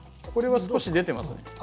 これは少し出てますね。